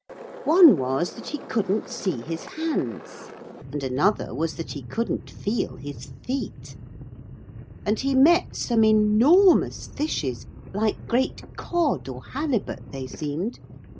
One was that he couldn't see his hands. And another was that he couldn't feel his feet. And he met some enormous fishes, like great cod or halibut, they seemed.